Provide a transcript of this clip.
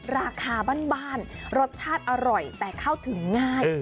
ราคาบ้านรสชาติอร่อยแต่เข้าถึงง่าย